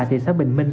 thị xã bình minh